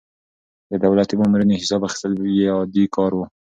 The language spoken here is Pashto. د دولتي مامورينو حساب اخيستل يې عادي کار و.